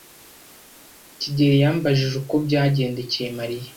kigeli yambajije uko byagendekeye Mariya.